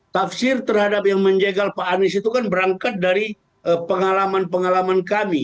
tafsir terhadap yang menjegal pak anies itu kan berangkat dari pengalaman pengalaman kami